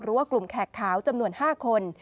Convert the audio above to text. หรือว่ากลุ่มแขกขาวจำนวน๕คน